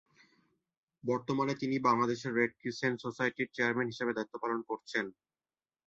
বর্তমানে তিনি Bangladesh red crescent সোসাইটির চেয়ারম্যান হিসেবে দায়িত্ব পালন করছেন।